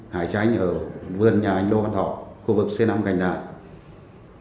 hải tranh ở vườn nhà anh lô văn thọ khu vực c năm cảnh đại